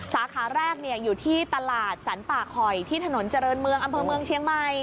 สาขาแรกอยู่ที่ตลาดสรรป่าคอยที่ถนนเจริญเมืองอำเภอเมืองเชียงใหม่